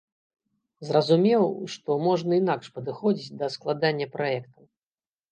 Зразумеў, што можна інакш падыходзіць да складання праектаў.